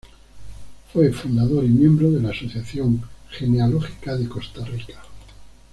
Fue fundador y miembro de la Asociación Genealógica de Costa Rica.